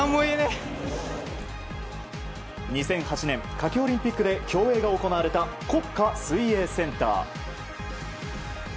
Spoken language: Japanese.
２００８年夏季オリンピックで水泳が行われた国家水泳センター。